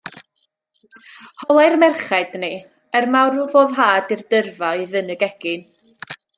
Holai'r merched ni, er mawr foddhad i'r dyrfa oedd yn y gegin.